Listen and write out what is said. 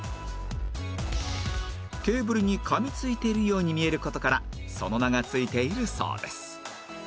ケーブルに噛み付いているように見える事からその名が付いているそうです